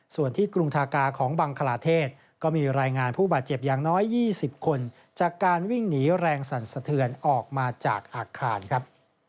ส่วนที่กรุงทากาของบังคลาเทศก็มีรายงานผู้บาดเจ็บอย่างน้อย๒๐คนจากการวิ่งหนีแรงสั่นสะเทือนออกมาจากอาคารครับ